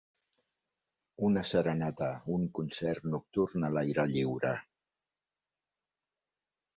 Una serenata, un concert nocturn a l'aire lliure.